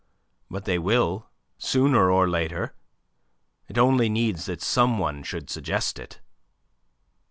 But they will, sooner or later. It only needs that some one should suggest it."